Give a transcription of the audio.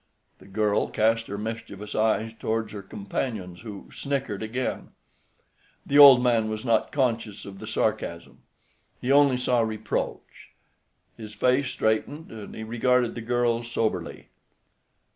The girl cast her mischievous eyes towards her companions, who snickered again. The old man was not conscious of the sarcasm. He only saw reproach. His face straightened, and he regarded the girl soberly.